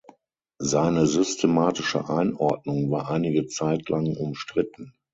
Seine systematische Einordnung war einige Zeit lang umstritten.